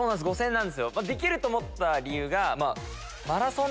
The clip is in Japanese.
５０００円なんですできると思った理由が。